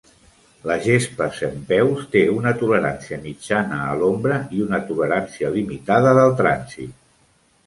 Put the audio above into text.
La gespa centpeus té una tolerància mitjana a l'ombra i una tolerància limitada del trànsit.